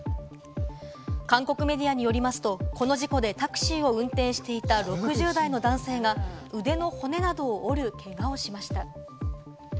韓国メディアによりますと、この事故でタクシーを運転していた６０代の男性が腕の骨などを折るけがをしました。